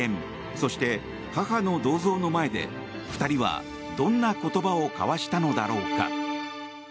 そして、母の銅像の前で２人はどんな言葉を交わしたのだろうか。